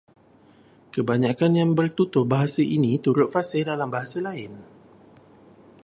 Kebanyakan yang bertutur bahasa ini turut fasih dalam bahasa lain